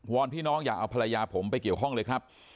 อนพี่น้องอย่าเอาภรรยาผมไปเกี่ยวข้องเลยครับ